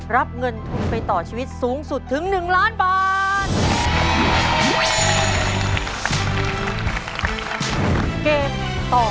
รับเงินทุนไปต่อชีวิตสูงสุดถึง๑ล้านบาท